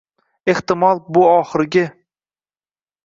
Ehtimol, bu oxirgi